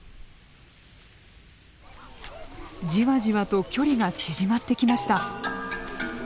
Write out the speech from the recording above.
じわじわと距離が縮まってきました。